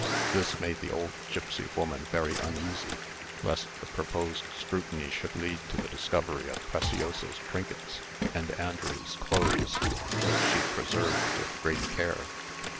This made the old gipsy woman very uneasy, lest the proposed scrutiny should lead to the discovery of Preciosa's trinkets and Andrew's clothes, which she preserved with great care.